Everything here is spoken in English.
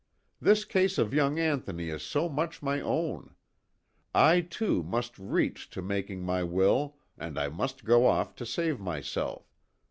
This case of young Anthony is so much my own. I, too, must reach to making my will and I must go off to save myself.